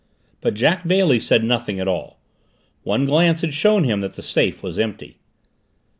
But Jack Bailey said nothing at all. One glance had shown him that the safe was empty.